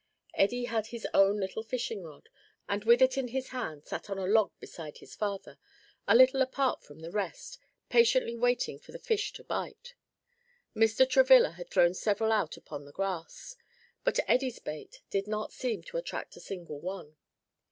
Eddie had his own little fishing rod, and with it in his hand sat on a log beside his father, a little apart from the rest, patiently waiting for the fish to bite. Mr. Travilla had thrown several out upon the grass, but Eddie's bait did not seem to attract a single one.